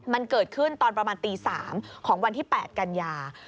มันเกิดขึ้นตอนประมาณตี๓ของวันที่๘กันยา